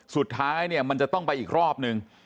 สุดท้ายมันจะต้องไปอีกรอบหนึ่ง